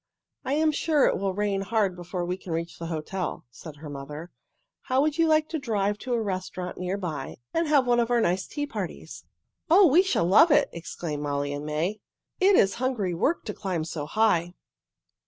"I am sure it will rain hard before we can reach the hotel," said their mother. "How would you like to drive to a restaurant near by and have one of our nice tea parties?" "Oh, we should love it!" exclaimed Molly and May. "It is hungry work to climb so high."